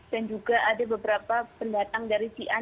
dan juga ada beberapa pendatang dari xi'an